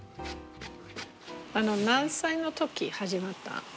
何歳の時始まった？